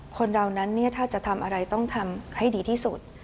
คนเรานั้นถ้าจะทำอะไรต้องทำให้ดีที่สุด